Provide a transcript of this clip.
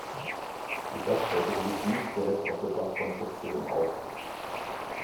Die Dachdeckung liegt nicht direkt auf der Dachkonstruktion auf.